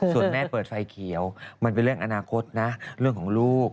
ส่วนแม่เปิดไฟเขียวมันเป็นเรื่องอนาคตนะเรื่องของลูก